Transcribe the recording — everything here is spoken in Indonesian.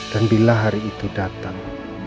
dan bila hari itu datang